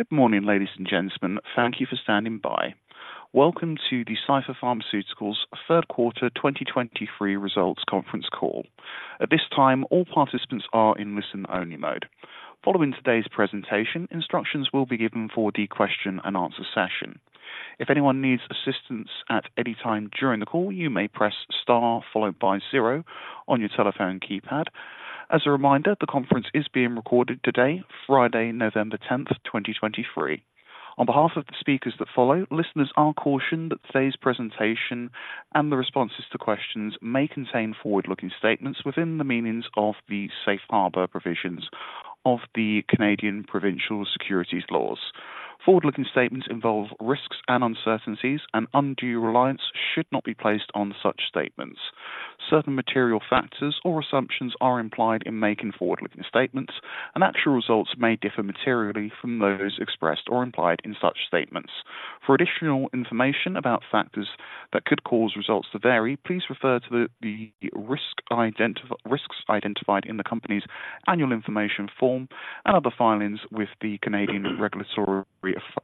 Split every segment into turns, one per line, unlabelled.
Good morning, ladies and gentlemen. Thank you for standing by. Welcome to the Cipher Pharmaceuticals Third Quarter 2023 Results Conference Call. At this time, all participants are in listen-only mode. Following today's presentation, instructions will be given for the question-and-answer session. If anyone needs assistance at any time during the call, you may press star followed by zero on your telephone keypad. As a reminder, the conference is being recorded today, Friday, November 10th, 2023. On behalf of the speakers that follow, listeners are cautioned that today's presentation and the responses to questions may contain forward-looking statements within the meanings of the safe harbor provisions of the Canadian provincial securities laws. Forward-looking statements involve risks and uncertainties, and undue reliance should not be placed on such statements. Certain material factors or assumptions are implied in making forward-looking statements, and actual results may differ materially from those expressed or implied in such statements. For additional information about factors that could cause results to vary, please refer to the risks identified in the company's annual information form and other filings with the Canadian regulatory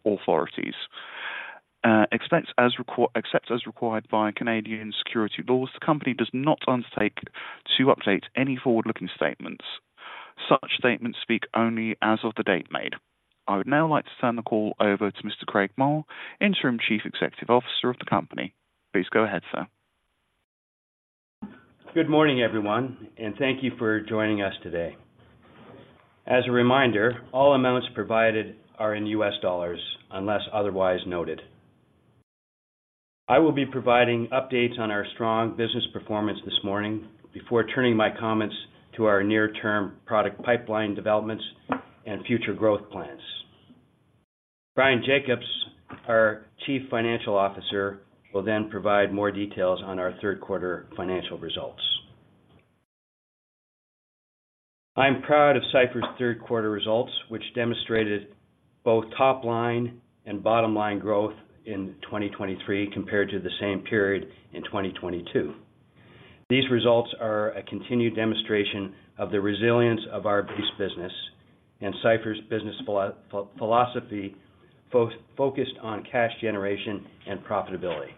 authorities. Except as required by Canadian security laws, the company does not undertake to update any forward-looking statements. Such statements speak only as of the date made. I would now like to turn the call over to Mr. Craig Mull, Interim Chief Executive Officer of the company. Please go ahead, sir.
Good morning, everyone, and thank you for joining us today. As a reminder, all amounts provided are in U.S. dollars, unless otherwise noted. I will be providing updates on our strong business performance this morning before turning my comments to our near-term product pipeline developments and future growth plans. Bryan Jacobs, our Chief Financial Officer, will then provide more details on our third quarter financial results. I'm proud of Cipher's third quarter results, which demonstrated both top-line and bottom-line growth in 2023 compared to the same period in 2022. These results are a continued demonstration of the resilience of our base business and Cipher's business philosophy, focused on cash generation and profitability.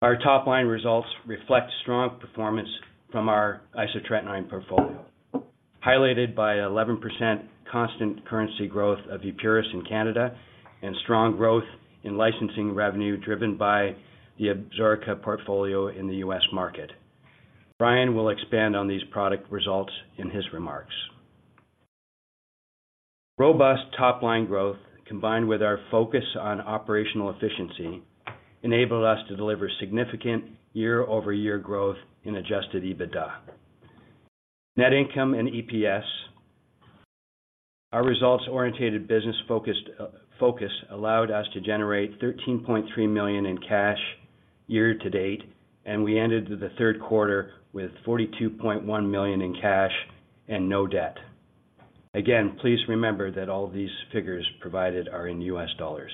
Our top-line results reflect strong performance from our isotretinoin portfolio, highlighted by 11% constant currency growth of Epuris in Canada and strong growth in licensing revenue driven by the Absorica portfolio in the U.S. market. Bryan will expand on these product results in his remarks. Robust top-line growth, combined with our focus on operational efficiency, enabled us to deliver significant year-over-year growth in adjusted EBITDA. Net income and EPS, our results-oriented business focus, allowed us to generate $13.3 million in cash year to date, and we ended the third quarter with $42.1 million in cash and no debt. Again, please remember that all these figures provided are in U.S. dollars.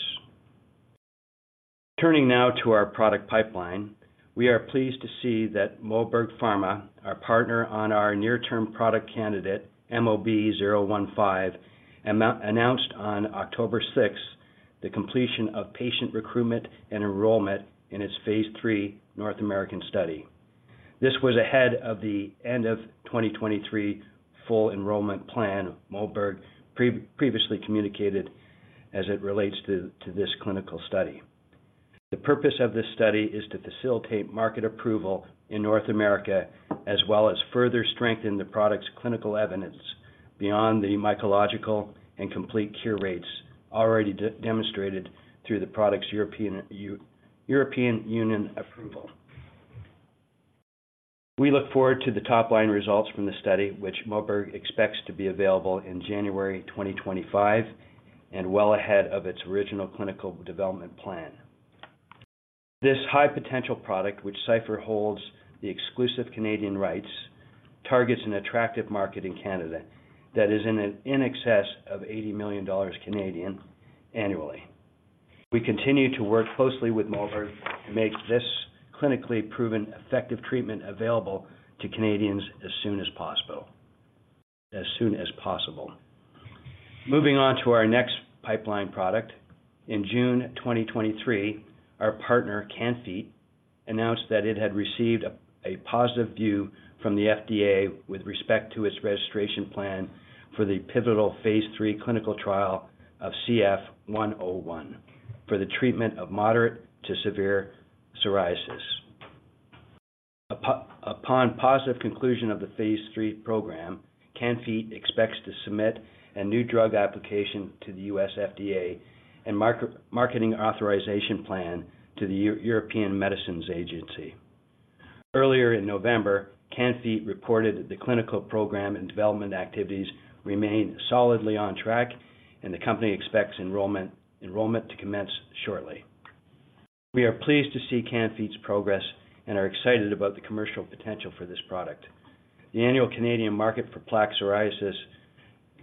Turning now to our product pipeline, we are pleased to see that Moberg Pharma, our partner on our near-term product candidate, MOB-015, announced on October 6th, the completion of patient recruitment and enrollment in its phase III North American study. This was ahead of the end of 2023 full enrollment plan Moberg previously communicated as it relates to, to this clinical study. The purpose of this study is to facilitate market approval in North America, as well as further strengthen the product's clinical evidence beyond the mycological and complete cure rates already demonstrated through the product's European Union approval. We look forward to the top-line results from the study, which Moberg expects to be available in January 2025 and well ahead of its original clinical development plan. This high-potential product, which Cipher holds the exclusive Canadian rights, targets an attractive market in Canada that is in excess of 80 million Canadian dollars annually. We continue to work closely with Moberg to make this clinically proven effective treatment available to Canadians as soon as possible, as soon as possible. Moving on to our next pipeline product. In June 2023, our partner, Can-Fite, announced that it had received a positive view from the FDA with respect to its registration plan for the pivotal phase III clinical trial of CF-101 for the treatment of moderate to severe psoriasis. Upon positive conclusion of the phase III program, Can-Fite expects to submit a new drug application to the U.S. FDA and marketing authorization plan to the European Medicines Agency. Earlier in November, Can-Fite reported that the clinical program and development activities remain solidly on track, and the company expects enrollment to commence shortly. We are pleased to see Can-Fite's progress and are excited about the commercial potential for this product. The annual Canadian market for plaque psoriasis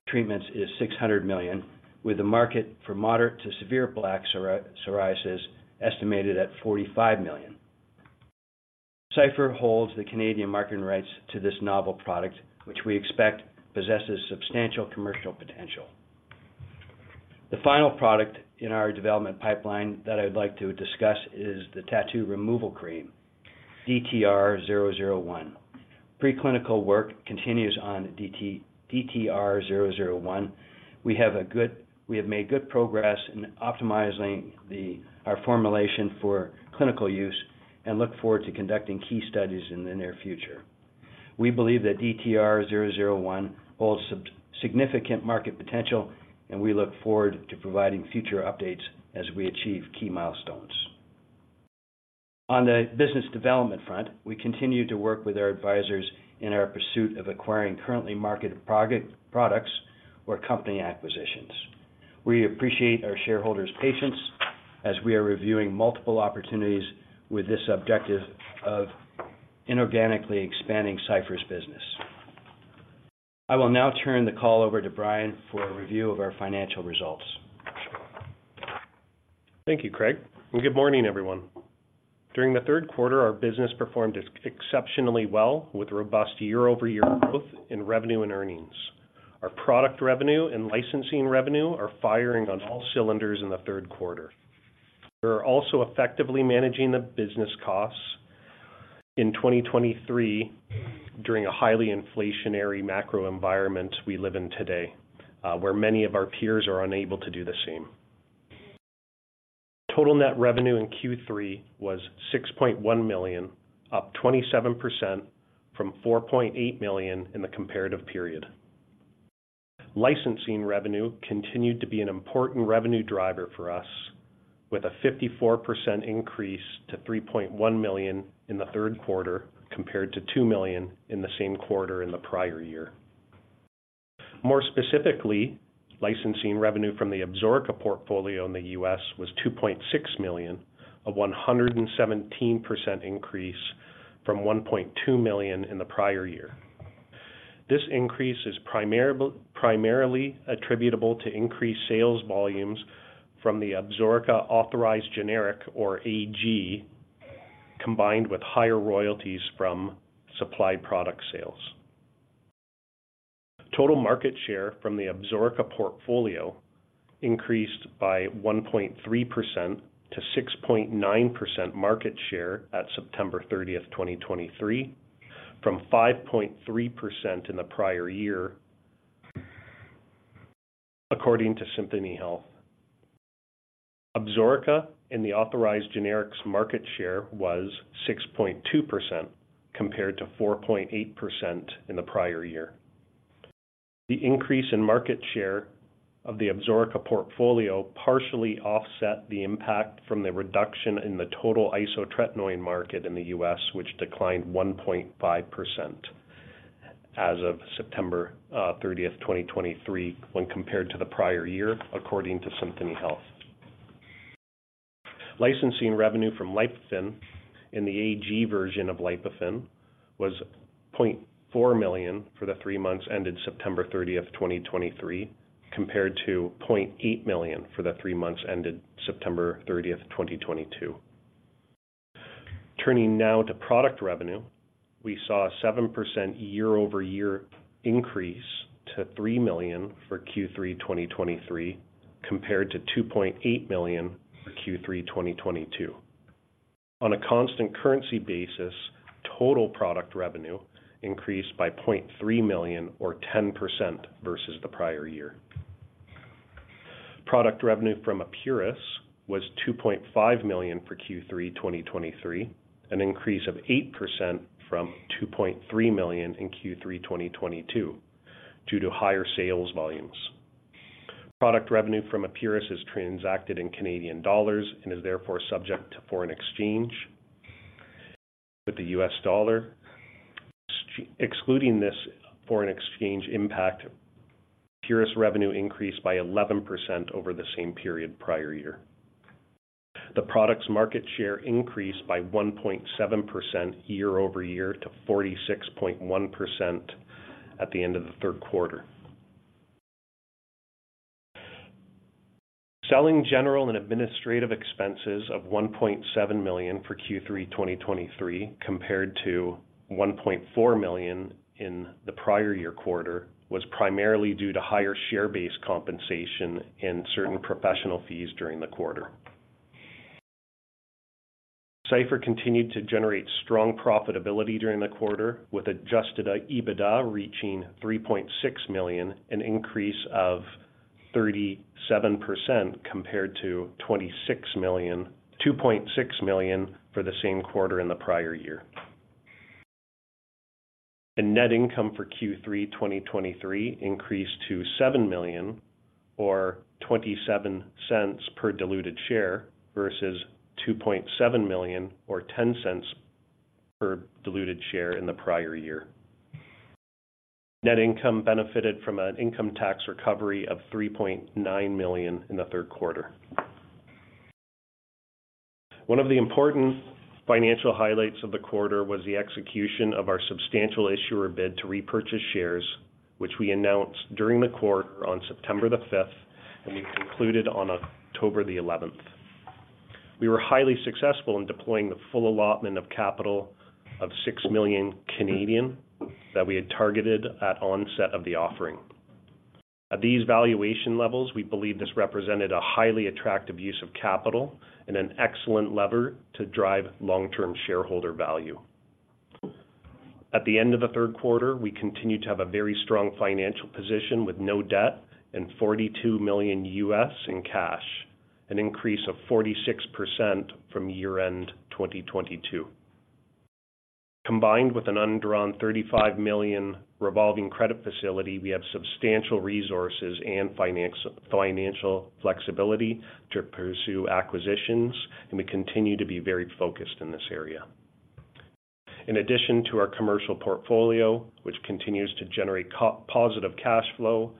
treatments is 600 million, with the market for moderate to severe plaque psoriasis estimated at 45 million. Cipher holds the Canadian marketing rights to this novel product, which we expect possesses substantial commercial potential. The final product in our development pipeline that I'd like to discuss is the tattoo removal cream, DTR-001. Preclinical work continues on DTR-001. We have made good progress in optimizing our formulation for clinical use and look forward to conducting key studies in the near future. We believe that DTR-001 holds significant market potential, and we look forward to providing future updates as we achieve key milestones. On the business development front, we continue to work with our advisors in our pursuit of acquiring currently marketed products or company acquisitions. We appreciate our shareholders' patience as we are reviewing multiple opportunities with this objective of inorganically expanding Cipher's business. I will now turn the call over to Bryan for a review of our financial results.
Thank you, Craig, and good morning, everyone. During the third quarter, our business performed exceptionally well, with robust year-over-year growth in revenue and earnings. Our product revenue and licensing revenue are firing on all cylinders in the third quarter. We are also effectively managing the business costs in 2023, during a highly inflationary macro environment we live in today, where many of our peers are unable to do the same. Total net revenue in Q3 was $6.1 million, up 27% from $4.8 million in the comparative period. Licensing revenue continued to be an important revenue driver for us, with a 54% increase to $3.1 million in the third quarter, compared to $2 million in the same quarter in the prior year. More specifically, licensing revenue from the Absorica portfolio in the U.S. was $2.6 million, a 117% increase from $1.2 million in the prior year. This increase is primarily attributable to increased sales volumes from the Absorica Authorized Generic or AG, combined with higher royalties from supplied product sales. Total market share from the Absorica portfolio increased by 1.3%-6.9% market share at September 30th, 2023, from 5.3% in the prior year, according to Symphony Health. Absorica and the Authorized Generics market share was 6.2%, compared to 4.8% in the prior year. The increase in market share of the Absorica portfolio partially offset the impact from the reduction in the total isotretinoin market in the U.S., which declined 1.5% as of September 30th, 2023, when compared to the prior year, according to Symphony Health. Licensing revenue from Lipofen in the AG version of Lipofen was $0.4 million for the three months ended September 30th, 2023, compared to $0.8 million for the three months ended September 30th, 2022. Turning now to product revenue. We saw a 7% year-over-year increase to $3 million for Q3 2023, compared to $2.8 million for Q3 2022. On a constant currency basis, total product revenue increased by $0.3 million or 10% versus the prior year. Product revenue from Epuris was $2.5 million for Q3 2023, an increase of 8% from $2.3 million in Q3 2022, due to higher sales volumes. Product revenue from Epuris is transacted in Canadian dollars and is therefore subject to foreign exchange with the U.S. dollar. Excluding this foreign exchange impact, Epuris revenue increased by 11% over the same period prior year. The product's market share increased by 1.7% year-over-year to 46.1% at the end of the third quarter. Selling general and administrative expenses of $1.7 million for Q3 2023, compared to $1.4 million in the prior year quarter, was primarily due to higher share-based compensation and certain professional fees during the quarter. Cipher continued to generate strong profitability during the quarter, with adjusted EBITDA reaching $3.6 million, an increase of 37% compared to $2.6 million for the same quarter in the prior year. The net income for Q3 2023 increased to $7 million or $0.27 per diluted share, versus $2.7 million or $0.10 per diluted share in the prior year. Net income benefited from an income tax recovery of $3.9 million in the third quarter. One of the important financial highlights of the quarter was the execution of our substantial issuer bid to repurchase shares. Which we announced during the quarter on September 5th, and we concluded on October 11th. We were highly successful in deploying the full allotment of capital of 6 million Canadian dollars that we had targeted at onset of the offering. At these valuation levels, we believe this represented a highly attractive use of capital and an excellent lever to drive long-term shareholder value. At the end of the third quarter, we continued to have a very strong financial position, with no debt and $42 million in cash, an increase of 46% from year-end 2022. Combined with an undrawn $35 million revolving credit facility, we have substantial resources and finance, financial flexibility to pursue acquisitions, and we continue to be very focused in this area. In addition to our commercial portfolio, which continues to generate cash positive cash flow,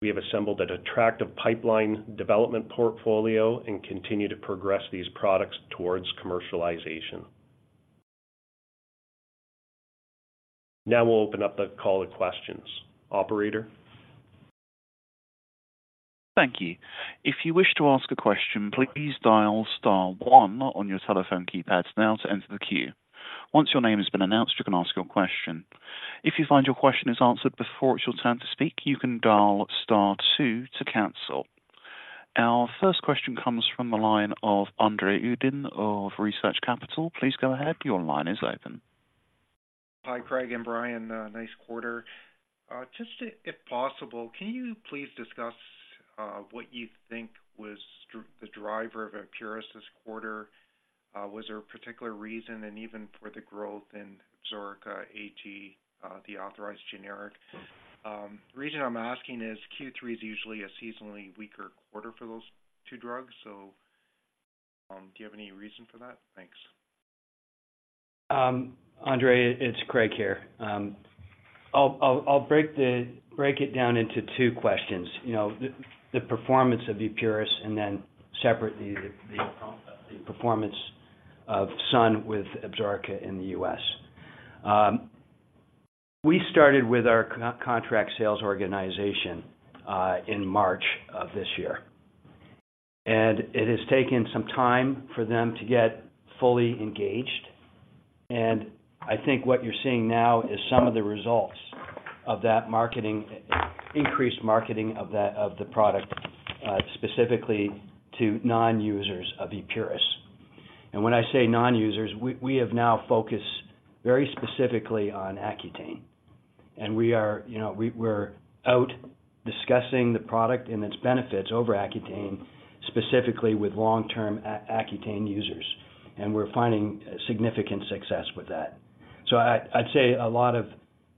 we have assembled an attractive pipeline development portfolio and continue to progress these products towards commercialization. Now we'll open up the call to questions. Operator?
Thank you. If you wish to ask a question, please dial star one on your telephone keypad now to enter the queue. Once your name has been announced, you can ask your question. If you find your question is answered before it's your turn to speak, you can dial star two to cancel. Our first question comes from the line of André Uddin of Research Capital. Please go ahead. Your line is open.
Hi, Craig and Bryan. Nice quarter. Just if possible, can you please discuss what you think was the driver of Epuris this quarter? Was there a particular reason, and even for the growth in Absorica AG, the authorized generic? The reason I'm asking is Q3 is usually a seasonally weaker quarter for those two drugs, so, do you have any reason for that? Thanks.
André, it's Craig here. I'll break it down into two questions. You know, the performance of Epuris, and then separately, the performance of Sun with Absorica in the U.S. We started with our contract sales organization in March of this year, and it has taken some time for them to get fully engaged. And I think what you're seeing now is some of the results of that marketing, increased marketing of that, of the product, specifically to non-users of Epuris. And when I say non-users, we have now focused very specifically on Accutane. And we are, you know, we're out discussing the product and its benefits over Accutane, specifically with long-term Accutane users, and we're finding significant success with that. So I'd say a lot of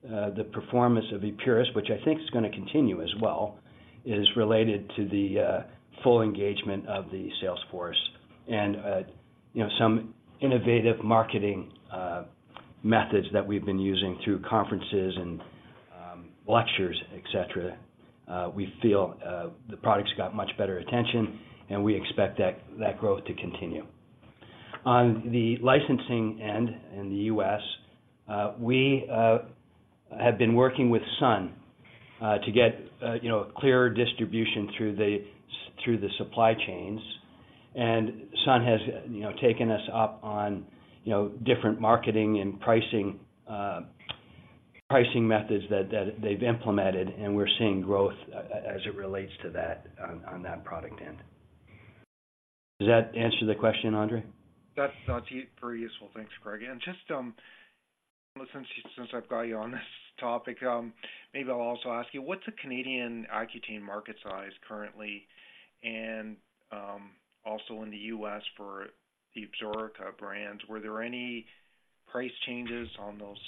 the performance of Epuris, which I think is gonna continue as well, is related to the full engagement of the salesforce and you know, some innovative marketing methods that we've been using through conferences and lectures, et cetera. We feel the product's got much better attention, and we expect that growth to continue. On the licensing end in the U.S., we have been working with Sun to get you know, clearer distribution through the supply chains. And Sun has you know, taken us up on different marketing and pricing methods that they've implemented, and we're seeing growth as it relates to that on that product end. Does that answer the question, André?
That's very useful. Thanks, Craig. And just since I've got you on this topic, maybe I'll also ask you, what's the Canadian Accutane market size currently, and also in the U.S. for the Absorica brand? Were there any price changes on those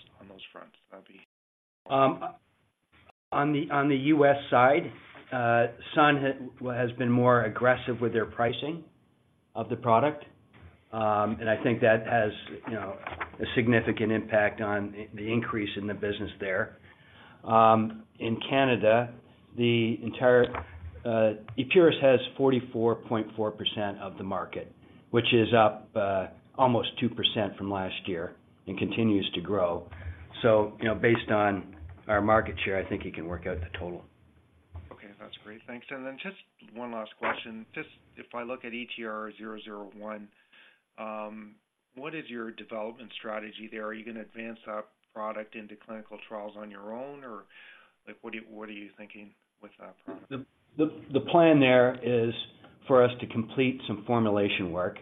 fronts? That'd be...
On the U.S. side, Sun has been more aggressive with their pricing of the product. I think that has, you know, a significant impact on the increase in the business there. In Canada, the entire Epuris has 44.4% of the market, which is up almost 2% from last year and continues to grow. So, you know, based on our market share, I think you can work out the total.
Okay, that's great. Thanks. And then just one last question. Just if I look at DTR-001, what is your development strategy there? Are you going to advance that product into clinical trials on your own, or like, what are you, what are you thinking with that product?
The plan there is for us to complete some formulation work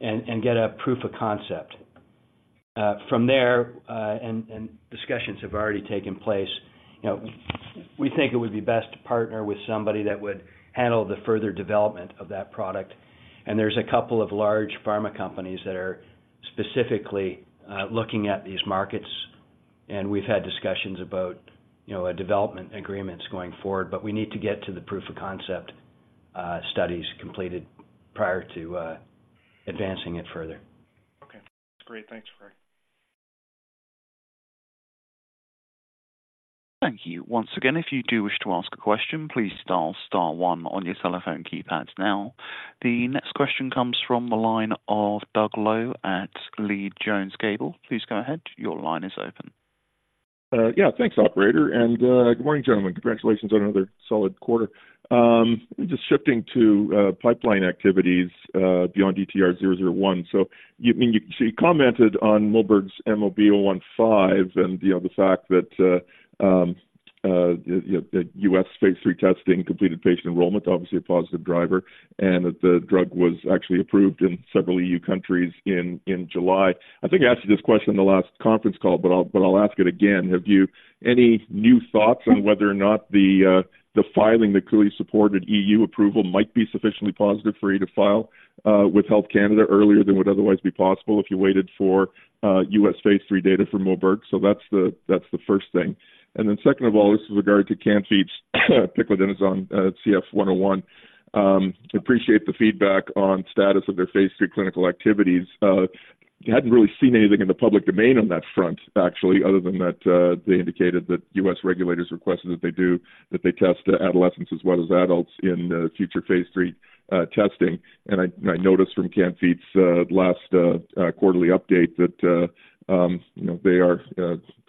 and get a proof of concept. From there, and discussions have already taken place, you know, we think it would be best to partner with somebody that would handle the further development of that product. And there's a couple of large pharma companies that are specifically looking at these markets, and we've had discussions about, you know, a development agreements going forward. But we need to get to the proof of concept studies completed prior to advancing it further.
Okay, great. Thanks, Craig.
Thank you. Once again, if you do wish to ask a question, please dial star one on your telephone keypad now. The next question comes from the line of Doug Loe at Leede Jones Gable. Please go ahead. Your line is open.
Yeah, thanks, operator, and good morning, gentlemen. Congratulations on another solid quarter. Just shifting to pipeline activities beyond DTR-001. So you commented on Moberg's MOB-015, and you know the fact that the U.S. phase III testing completed patient enrollment, obviously a positive driver, and that the drug was actually approved in several EU countries in July. I think I asked you this question on the last conference call, but I'll ask it again: Have you any new thoughts on whether or not the filing that clearly supported EU approval might be sufficiently positive for you to file with Health Canada earlier than would otherwise be possible if you waited for U.S. phase III data from Moberg? So that's the first thing. And then second of all, this is regard to Can-Fite's piclidenoson, CF-101. Appreciate the feedback on status of their phase III clinical activities. Hadn't really seen anything in the public domain on that front, actually, other than that, they indicated that U.S. regulators requested that they do, that they test adolescents as well as adults in, future phase III, testing. And I noticed from Can-Fite's last quarterly update that, you know, they are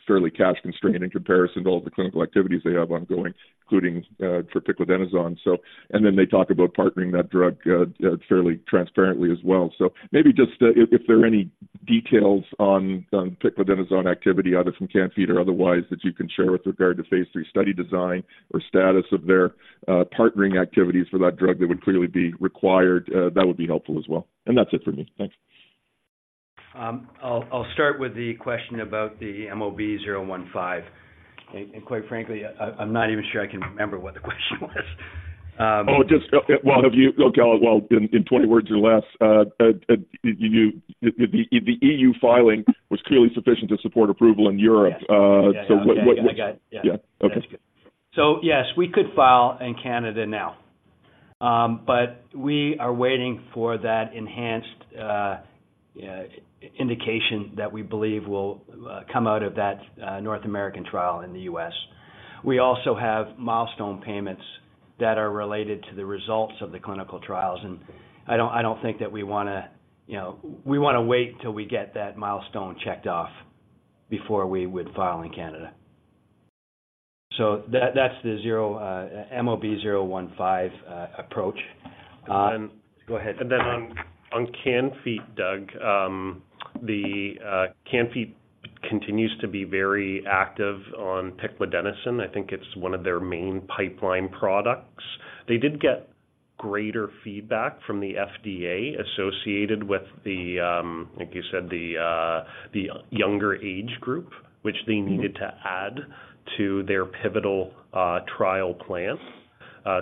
fairly cash constrained in comparison to all the clinical activities they have ongoing, including for piclidenoson. So, and then they talk about partnering that drug fairly transparently as well. So maybe just, if there are any details on piclidenoson activity, either from Can-Fite or otherwise, that you can share with regard to phase III study design or status of their partnering activities for that drug that would clearly be required, that would be helpful as well. And that's it for me. Thanks.
I'll start with the question about the MOB-015. And quite frankly, I'm not even sure I can remember what the question was.
Oh, just, well, have you? Okay, well, in 20 words or less, the EU filing was clearly sufficient to support approval in Europe.
Yes.
So what, what-
I got it. Yeah.
Yeah. Okay.
So yes, we could file in Canada now. But we are waiting for that enhanced indication that we believe will come out of that North American trial in the U.S. We also have milestone payments that are related to the results of the clinical trials, and I don't think that we want to, you know... We want to wait until we get that milestone checked off before we would file in Canada. So that, that's the MOB-015 approach.
And then-
Go ahead.
And then on Can-Fite, Doug, Can-Fite continues to be very active on piclidenoson. I think it's one of their main pipeline products. They did get greater feedback from the FDA associated with the, like you said, the younger age group, which they needed to add to their pivotal trial plan.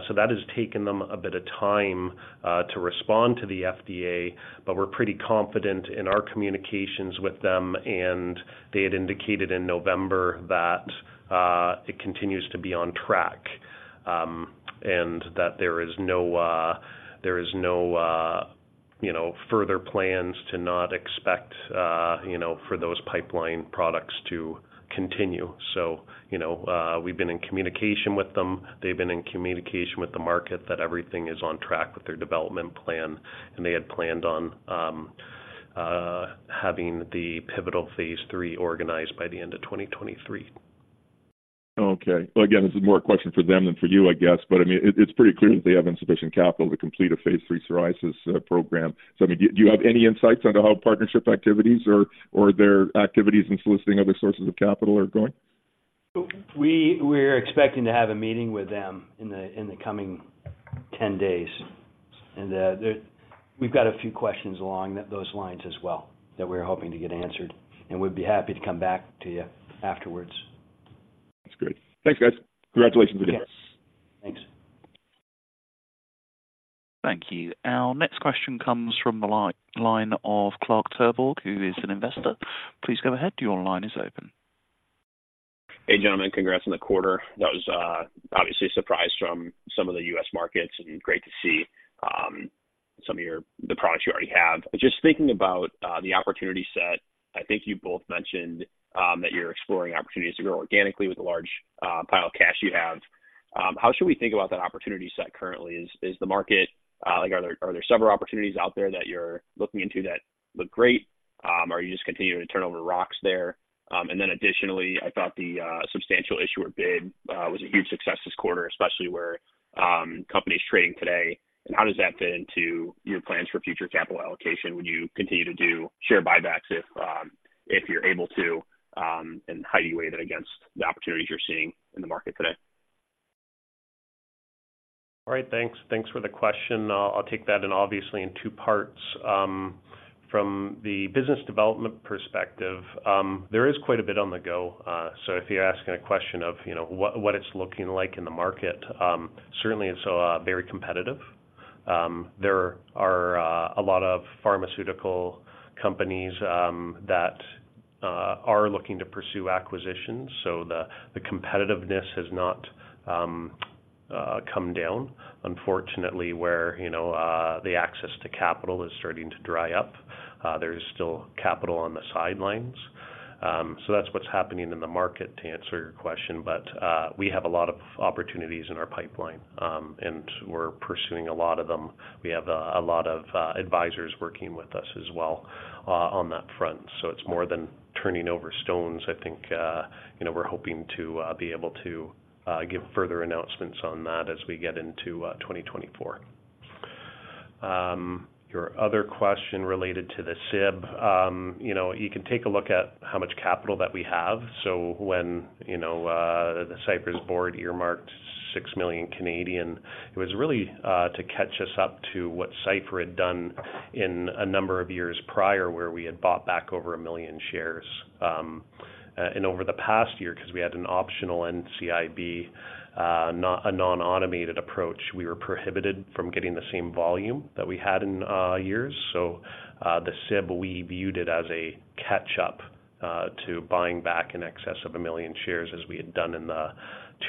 So that has taken them a bit of time to respond to the FDA, but we're pretty confident in our communications with them, and they had indicated in November that it continues to be on track, and that there is no, you know, further plans to not expect, you know, for those pipeline products to continue. So, you know, we've been in communication with them. They've been in communication with the market that everything is on track with their development plan, and they had planned on having the pivotal phase III organized by the end of 2023.
Okay. Well, again, this is more a question for them than for you, I guess, but, I mean, it, it's pretty clear that they have insufficient capital to complete a phase III psoriasis program. So, I mean, do you have any insights into how partnership activities or their activities in soliciting other sources of capital are going?
We're expecting to have a meeting with them in the coming 10 days, and we've got a few questions along those lines as well that we're hoping to get answered, and we'd be happy to come back to you afterwards.
That's great. Thanks, guys. Congratulations again.
Yes. Thanks.
Thank you. Our next question comes from the line of Clark Turborg, who is an investor. Please go ahead. Your line is open.
Hey, gentlemen, congrats on the quarter. That was obviously a surprise from some of the U.S. markets, and great to see some of your, the products you already have. Just thinking about the opportunity set, I think you both mentioned that you're exploring opportunities to grow organically with the large pile of cash you have. How should we think about that opportunity set currently? Is the market like, are there several opportunities out there that you're looking into that look great? Are you just continuing to turn over rocks there? And then additionally, I thought the substantial issuer bid was a huge success this quarter, especially where companies trading today. And how does that play into your plans for future capital allocation? Would you continue to do share buybacks if, if you're able to, and how do you weigh that against the opportunities you're seeing in the market today?
All right. Thanks. Thanks for the question. I'll take that and obviously in two parts. From the business development perspective, there is quite a bit on the go. So if you're asking a question of, you know, what it's looking like in the market, certainly it's very competitive. There are a lot of pharmaceutical companies that are looking to pursue acquisitions, so the competitiveness has not come down. Unfortunately, where you know the access to capital is starting to dry up, there is still capital on the sidelines. So that's what's happening in the market, to answer your question. But we have a lot of opportunities in our pipeline, and we're pursuing a lot of them. We have a lot of advisors working with us as well on that front. So it's more than turning over stones. I think you know, we're hoping to be able to give further announcements on that as we get into 2024. Your other question related to the SIB. You know, you can take a look at how much capital that we have. So when you know, the Cipher's board earmarked 6 million, it was really to catch us up to what Cipher had done in a number of years prior, where we had bought back over 1 million shares. And over the past year, because we had an optional NCIB, a non-automated approach, we were prohibited from getting the same volume that we had in years. So, the SIB, we viewed it as a catch-up to buying back in excess of 1 million shares, as we had done in the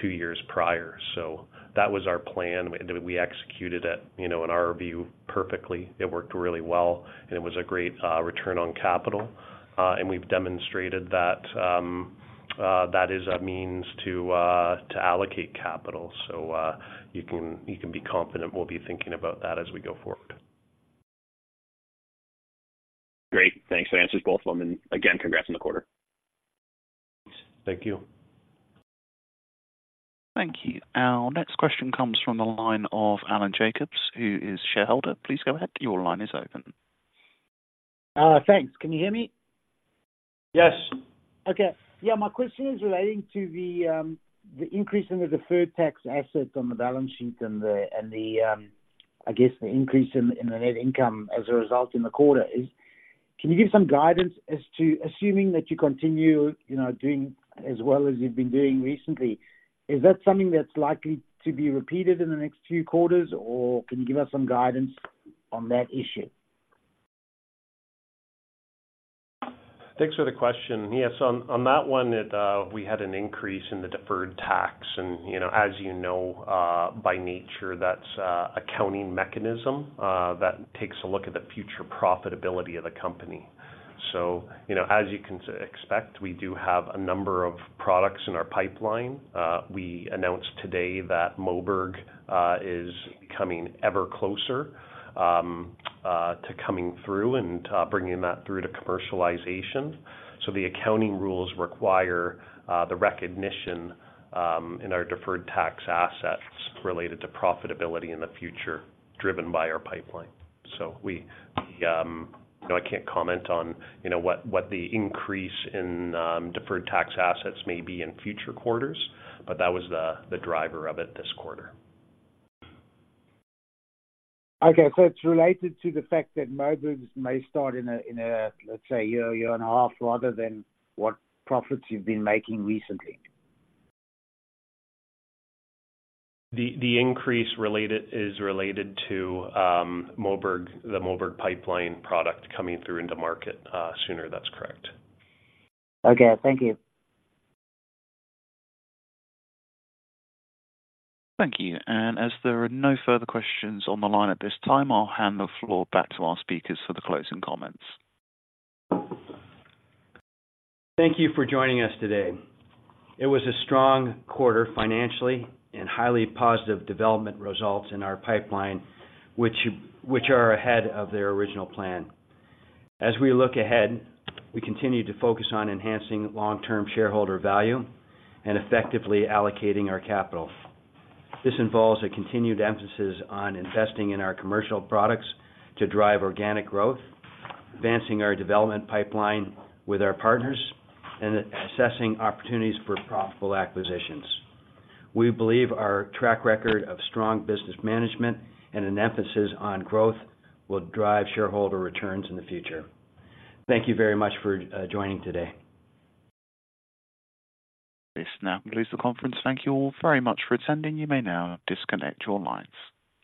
two years prior. So that was our plan. We executed it, you know, in our view, perfectly. It worked really well, and it was a great return on capital. And we've demonstrated that that is a means to allocate capital. So, you can be confident we'll be thinking about that as we go forward.
Great. Thanks. That answers both of them. And again, congrats on the quarter.
Thank you.
Thank you. Our next question comes from the line of Alan Jacobs, who is shareholder. Please go ahead. Your line is open.
Thanks. Can you hear me?
Yes.
Okay. Yeah, my question is relating to the increase in the deferred tax assets on the balance sheet and the increase in the net income as a result in the quarter is. Can you give some guidance as to, assuming that you continue, you know, doing as well as you've been doing recently, is that something that's likely to be repeated in the next few quarters, or can you give us some guidance on that issue?
Thanks for the question. Yes, on, on that one, it, we had an increase in the deferred tax and, you know, as you know, by nature, that's a accounting mechanism that takes a look at the future profitability of the company. So, you know, as you can expect, we do have a number of products in our pipeline. We announced today that Moberg is becoming ever closer to coming through and bringing that through to commercialization. So the accounting rules require the recognition in our deferred tax assets related to profitability in the future, driven by our pipeline. So we, you know, I can't comment on, you know, what the increase in deferred tax assets may be in future quarters, but that was the driver of it this quarter.
Okay, so it's related to the fact that Moberg may start in a, let's say, a year, year and a half, rather than what profits you've been making recently?
The increase is related to Moberg, the Moberg pipeline product coming through in the market sooner. That's correct.
Okay, thank you.
Thank you. As there are no further questions on the line at this time, I'll hand the floor back to our speakers for the closing comments.
Thank you for joining us today. It was a strong quarter financially, and highly positive development results in our pipeline, which are ahead of their original plan. As we look ahead, we continue to focus on enhancing long-term shareholder value and effectively allocating our capital. This involves a continued emphasis on investing in our commercial products to drive organic growth, advancing our development pipeline with our partners, and assessing opportunities for profitable acquisitions. We believe our track record of strong business management and an emphasis on growth will drive shareholder returns in the future. Thank you very much for joining today.
This now concludes the conference. Thank you all very much for attending. You may now disconnect your lines.